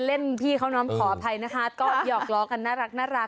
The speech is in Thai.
พี่เขาน้องขออภัยนะคะก็หยอกล้อกันน่ารัก